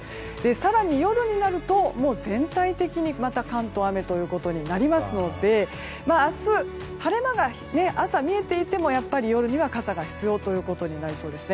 更に、夜になると関東は全体的に雨ということになりますので明日朝、晴れ間が見えていても夜には傘が必要ということになりそうです。